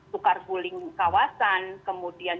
tukar buling kawasan kemudian